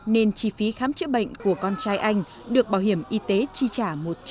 nên chi phí khám chữa bệnh của con trai anh được bảo hiểm y tế chi trả một trăm linh